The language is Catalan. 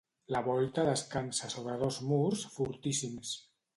La volta descansa sobre dos murs fortíssims.